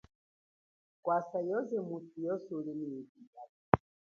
Kwasa yoze mweswe uli nyi yipikalo.